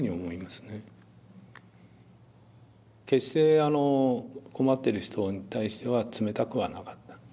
決して困っている人に対しては冷たくはなかった。